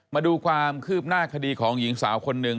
มาดูความคืบหน้าคดีของหญิงสาวคนหนึ่ง